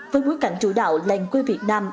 với bối cảnh chủ đạo làng quê việt nam